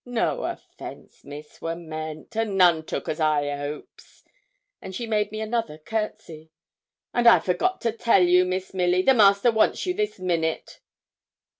No offence, miss, were meant, and none took, as I hopes,' and she made me another courtesy. 'And I forgot to tell you, Miss Milly, the master wants you this minute.'